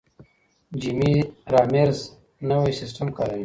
جیمي رامیرز نوی سیستم کاروي.